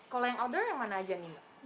kalau yang outdoor yang mana aja nih mbak